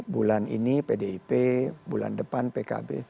bulan ini pdip bulan depan pkb